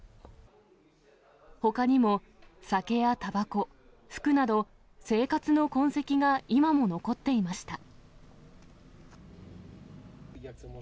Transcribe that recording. ほかにも、酒やたばこ、服など、生活の痕跡が今も残っていました。